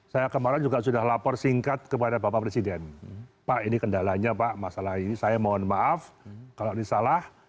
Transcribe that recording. saya kemarin juga sudah lapor singkat kepada bapak presiden pak ini kendalanya pak masalah ini saya mohon maaf kalau ini salah